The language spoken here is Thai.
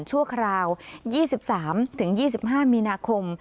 ชั่วคราว๒๓๒๕มีนาคม